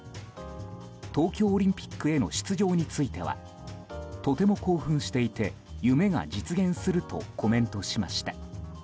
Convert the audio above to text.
東京オリンピックへの出場についてはとても興奮していて夢が実現するとコメントしました。